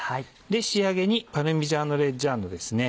仕上げにパルミジャーノ・レッジャーノですね。